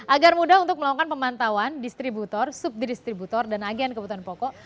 agar mudah untuk melakukan pemantauan distributor subdistributor dan agen kebutuhan pokok